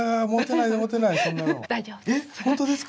えっ本当ですか？